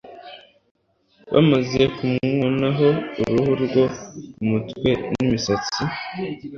bamaze kumwunaho uruhu rwo ku mutwe n'imisatsi